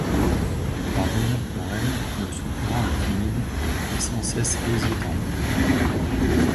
Par bonheur pour elle, le soupirant est timide et sans cesse hésitant.